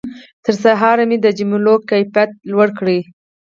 تر سهاره مې د جملو کیفیت لوړ کړ.